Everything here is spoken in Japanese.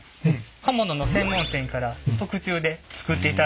刃物の専門店から特注で作っていただいております。